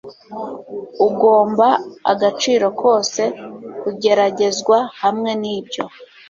Ugomba agaciro kose kugeragezwa hamwe nibyo